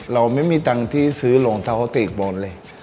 เราไม่มีตังค์ที่ซื้อรองเท้าตีกบนเลย